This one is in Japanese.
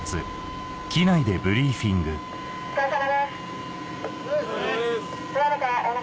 お疲れさまです。